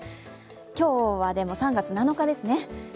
今日はでも、３月７日ですね。